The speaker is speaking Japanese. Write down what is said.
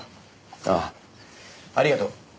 ああありがとう。